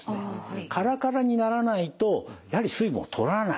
カラカラにならないとやはり水分をとらない。